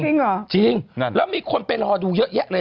มนุษย์ต่างดาวต้องการจะเจอหน่อย